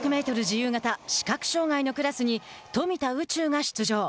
自由形視覚障害のクラスに富田宇宙が出場。